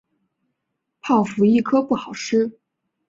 泡芙一颗不好吃